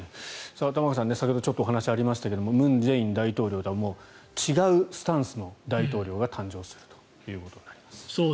玉川さん、先ほどちょっとお話ありましたが文在寅大統領とは違うスタンスの大統領が誕生するということになります。